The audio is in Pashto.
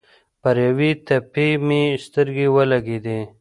پر یوې تپې مې سترګې ولګېدې.